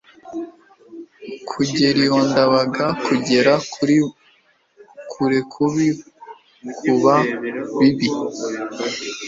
kugera iwa ndabaga kugera kure kubi, kuba bibi